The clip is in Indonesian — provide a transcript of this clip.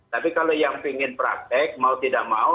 tapi kalau yang ingin praktek mau tidak mau